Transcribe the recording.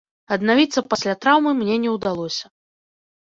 Аднавіцца пасля траўмы мне не ўдалося.